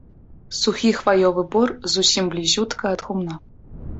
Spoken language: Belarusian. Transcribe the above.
Сухі хваёвы бор зусім блізютка ад гумна.